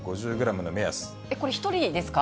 これ、１人ですか？